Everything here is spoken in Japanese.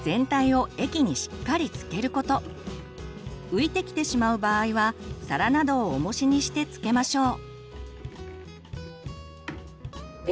浮いてきてしまう場合は皿などをおもしにしてつけましょう。